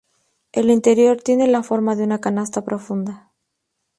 El interior tiene la forma de una canasta profunda.